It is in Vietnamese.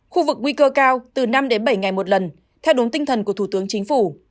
khu vực nguy cơ cao từ năm đến bảy ngày một lần theo đúng tinh thần của thủ tướng chính phủ